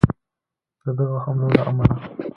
د دغه حملو له امله